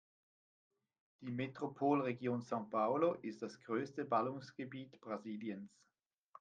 Die Metropolregion São Paulo ist das größte Ballungsgebiet Brasiliens.